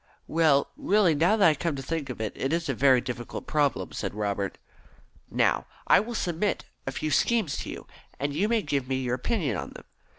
"Well, really, now that I come to think of it, it is a very difficult problem," said Robert. "Now I will submit a few schemes to you, and you may give me your opinion on them.